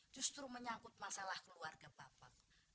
justru menyangkut masalah keluarga bapak